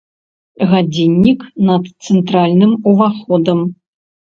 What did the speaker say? Гадзіннік над цэнтральным уваходам.